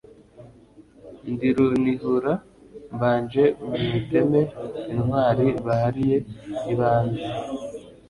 Ndi Runihura mbanje mu iteme intwari bahariye ibanze